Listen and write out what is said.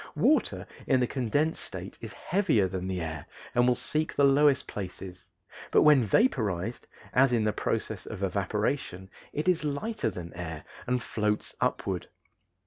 Water in the condensed state is heavier than the air and will seek the lowest places, but when vaporized, as in the process of evaporation, it is lighter than air and floats upward.